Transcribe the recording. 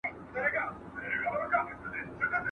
حاکمان بايد د رعيت خدمت وکړي.